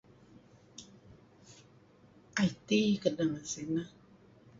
IT kedeh ngan sineh.